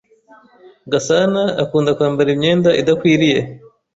Gasana akunda kwambara imyenda idakwiriye.